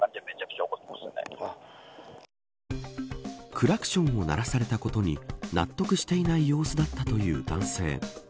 クラクションを鳴らされたことに納得していない様子だったという男性。